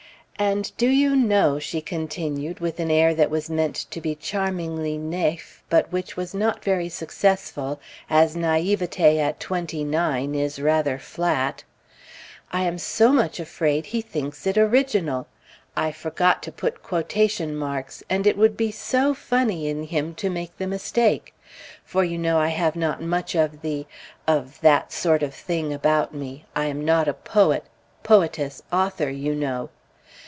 "And do you know," she continued, with an air that was meant to be charmingly naïf, but which was not very successful, as naïveté at twenty nine is rather flat, "I am so much afraid he thinks it original! I forgot to put quotation marks, and it would be so funny in him to make the mistake! For you know I have not much of the of that sort of thing about me I am not a poet poetess, author, you know."